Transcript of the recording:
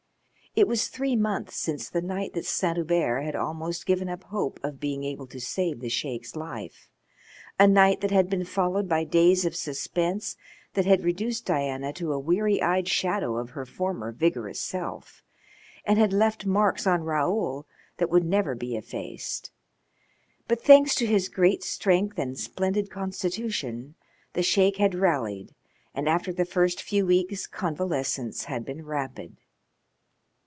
It was three months since the night that Saint Hubert had almost given up hope of being able to save the Sheik's life a night that had been followed by days of suspense that had reduced Diana to a weary eyed shadow of her former vigorous self, and had left marks on Raoul that would never be effaced. But thanks to his great strength and splendid constitution the Sheik had rallied and after the first few weeks convalescence had been rapid.